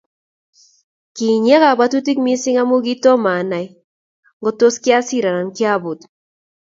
Kinyia kabwatutik mising amu kitomo anai ngotos kiasir anan kiabut.